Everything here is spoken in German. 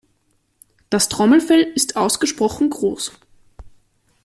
Das Trommelfell ist ausgesprochen groß.